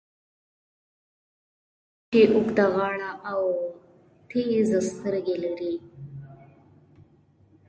حتی شترمرغ چې اوږده غاړه او تېزې سترګې لري.